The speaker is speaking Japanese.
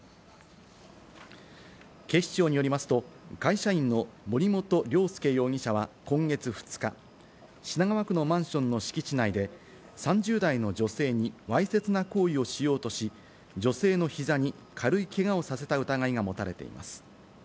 警視庁によりますと、会社員の盛本亮介容疑者は今月２日、品川区のマンションの敷地内で３０代の女性にわいせつな行為をしようとし、女性の膝に軽いけがをさせた疑いが持たれています。